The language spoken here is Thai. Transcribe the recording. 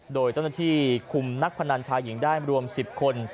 โดยเจ้าหน้าที่คุมนักพนันชายหญิงได้รวม๑๐คน